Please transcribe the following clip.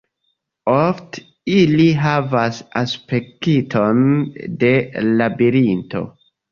Ofte ili havas aspekton de labirinto.